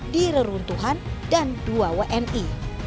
di reruntuhan dan dua wni